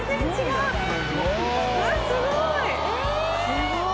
うわっすごい。